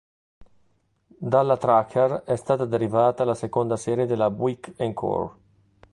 Dalla Tracker è stata derivata la seconda serie della Buick Encore.